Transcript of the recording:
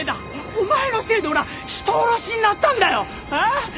お前のせいで俺は人殺しになったんだよ！